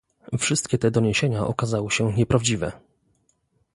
Wszystkie te doniesienia okazały się nieprawdziwe